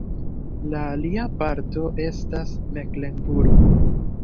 La alia parto estas Meklenburgo.